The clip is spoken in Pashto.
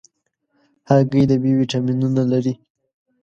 هګۍ د B ویټامینونه لري.